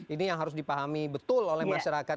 ini yang harus dipahami betul oleh masyarakat